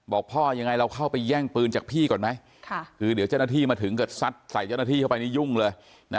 บอกพ่อยังไงเราเข้าไปแย่งปืนจากพี่ก่อนไหมคือเดี๋ยวเจ้าหน้าที่มาถึงก็ซัดใส่เจ้าหน้าที่เข้าไปนี่ยุ่งเลยนะ